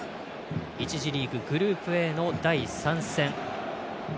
１次リーグ、グループＡの第３戦。